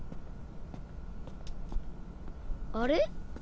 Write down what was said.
あれ？